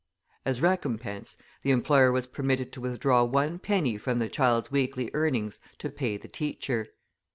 As recompense, the employer was permitted to withdraw one penny from the child's weekly earnings to pay the teacher.